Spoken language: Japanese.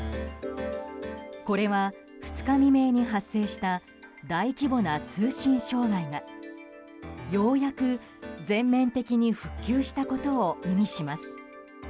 これは２日未明に発生した大規模な通信障害がようやく全面的に復旧したことを意味します。